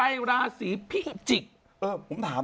เยอะมาก